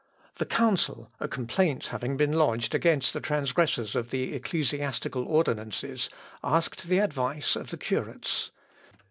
" The council, a complaint having been lodged against the transgressors of the ecclesiastical ordinances, asked the advice of the curates.